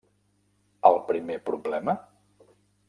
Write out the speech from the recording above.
El primer problema?